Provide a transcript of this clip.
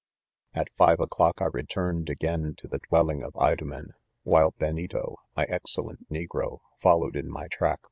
u At five o^clouk J" returned, again to the dwelling of Idomen, while Benito , my excel k'Hi nenfi'ti tolloweu m my ith.ck.